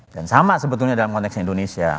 dan sama sebetulnya dalam konteks indonesia